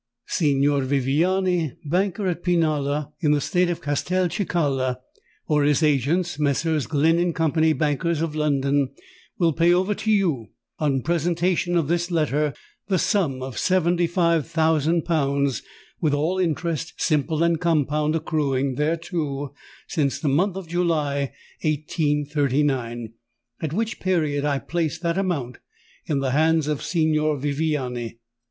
"Signor Viviani, banker at Pinalla, in the State of Castelcicala, or his agents, Messrs. Glyn and Co., bankers, London, will pay over to you, on presentation of this letter, the sum of seventy five thousand pounds, with all interest, simple and compound, accruing thereto since the month of July, 1839, at which period I placed that amount in the hands of Signor Viviani.